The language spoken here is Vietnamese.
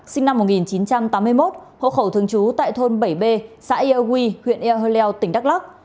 sinh năm một nghìn chín trăm tám mươi một hộ khẩu thường trú tại thôn bảy b xã yêu huy tp buôn ban thuột tỉnh đắk lắc